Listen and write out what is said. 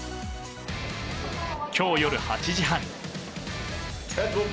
今日夜８時半。